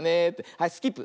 はいスキップ。